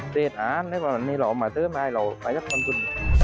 เตรียดอาหารมีหล่อมาเติมได้หล่อไฟลักษณ์ความคุ้น